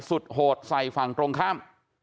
โหดใส่ฝั่งตรงข้าม